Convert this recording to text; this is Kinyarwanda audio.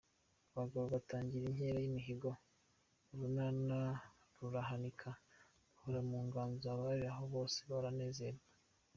abagabo batangira inkera y’imihigo, urunana rurahanika rukora mu nganzo abari aho bose baranezerwa.